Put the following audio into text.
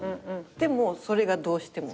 でもそれがどうしても。